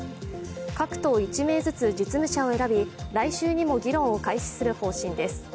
各党１名ずつ実務者を選び、来週にも議論を開始する方針です。